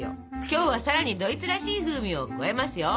今日はさらにドイツらしい風味を加えますよ！